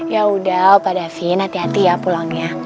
ya udah opa david hati hati ya pulangnya